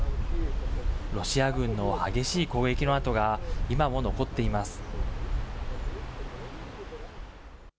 ロシア軍の激しい攻撃の跡が今も残っています。